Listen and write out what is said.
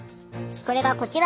それがこちら！